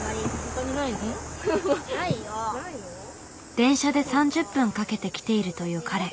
電車で３０分かけて来ているという彼。